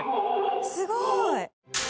「すごい！」